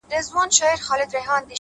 اخلاص د باور بنسټ پیاوړی کوي